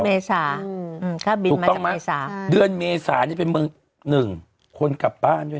เมษา